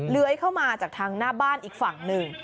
เลื้อยเข้ามาจากทางหน้าบ้านอีกฝั่งหนึ่ง